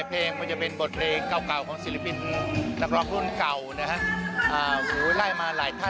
พี่โอ้งค่ะวันนี้เตรียมเพลงเป็นไหมคะ